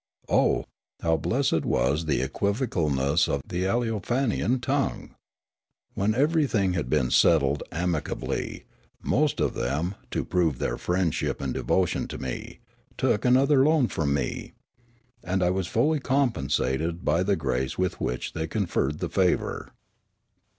Oh, how blessed was the equivocalness of the Aleofan ian tongue ! When everj'thing had been settled amicably, most of them, to prove their friendship and devotion to me, took another loan from me. And I was fully compensated by the grace with which they conferred the favour.